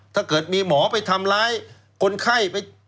ถ้าเกิดมีหมอไปทำร้ายคนไข้ไป